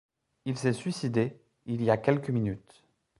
Il s’est suicidé, il y a quelques minutes.